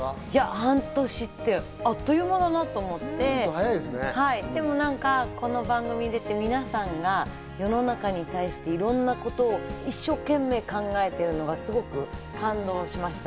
半年って、あっという間だなって思って、この番組に出て皆さんが世の中に対していろんなことを一生懸命考えているのがすごく感動しました。